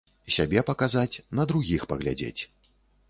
Сябе паказаць, на другіх паглядзець.